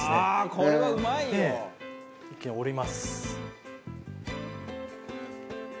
これはうまいよ」折ります。